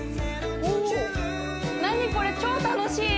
おお何これ超楽しい！